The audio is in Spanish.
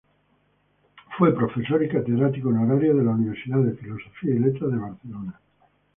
Fue profesor y catedrático honorario de la Universidad de Filosofía y Letras de Barcelona.